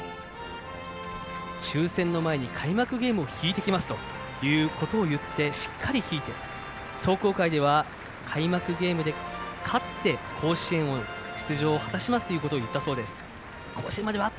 抽せんの前に開幕ゲームを引いてきますと言ってしっかり引いて、壮行会では開幕ゲームで勝って甲子園出場を果たしますということを言ったようです。